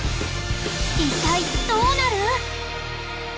一体どうなる！？